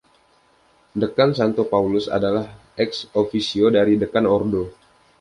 Dekan Santo Paulus adalah "ex-officio" dari Dekan Ordo.